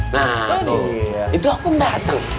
nah itu aku yang datang